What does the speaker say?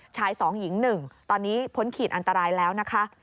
๒หญิง๑ตอนนี้พ้นขีดอันตรายแล้วนะคะ